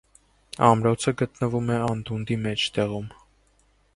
Ամրոցը գտնվում է անդունդի մեջտեղում։